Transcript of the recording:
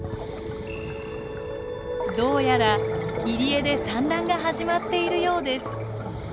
どうやら入り江で産卵が始まっているようです。